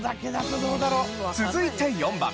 続いて４番。